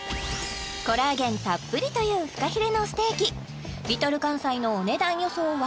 コラーゲンたっぷりというフカヒレのステーキＬｉｌかんさいのお値段予想は？